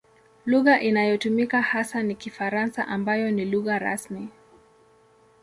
Lugha inayotumika hasa ni Kifaransa ambayo ni lugha rasmi.